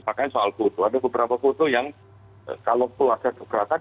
makanya soal foto ada beberapa foto yang kalau keluarga keberatan